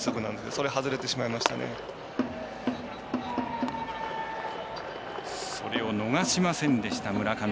それを逃しませんでした村上。